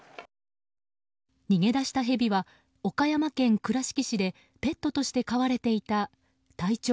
逃げ出したヘビは岡山県倉敷市でペットとして飼われていた体長